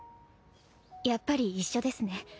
やっぱり一緒ですね。